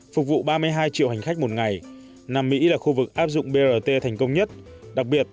phục vụ ba mươi hai triệu hành khách một ngày nam mỹ là khu vực áp dụng brt thành công nhất đặc biệt